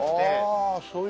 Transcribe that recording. ああそういう。